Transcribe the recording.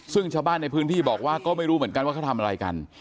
ซึ่งชาวบ้านในพื้นที่บอกว่าก็ไม่รู้เหมือนกันว่าเขาทำอะไรกัน